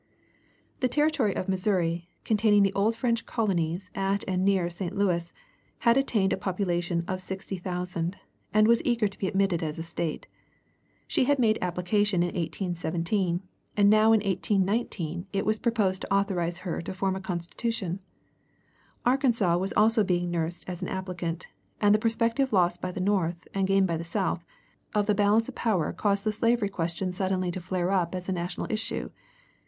The Territory of Missouri, containing the old French colonies at and near St. Louis, had attained a population of 60,000, and was eager to be admitted as a State. She had made application in 1817, and now in 1819 it was proposed to authorize her to form a constitution. Arkansas was also being nursed as an applicant, and the prospective loss by the North and gain by the South of the balance of power caused the slavery question suddenly to flare up as a national issue.